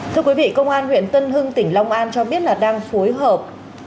thưa quý vị công an huyện tân hưng tỉnh long an cho biết là đang phối hợp